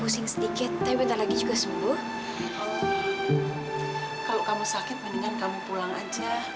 sampai jumpa di video selanjutnya